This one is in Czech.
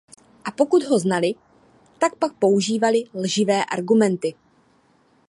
A pokud ho znali, tak pak používali lživé argumenty.